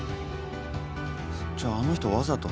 じゃああの人わざと。